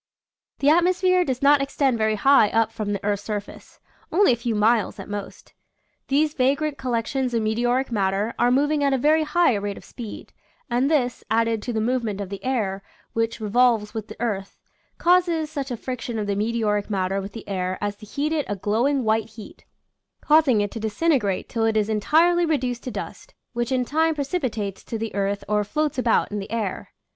The atmosphere does not extend very high up from the earth's surface. Only a few miles at most. These vagrant collections of meteoric matter are moving at a very high rate of speed, and this, added to the movement of the sir, which re volves with the earth, causes such a friction of the meteoric matter with the air as to heat it to a glowing white heat, causing it to dis integrate till it is entirely reduced to dust, which in time precipitates to the earth or floats about in the air.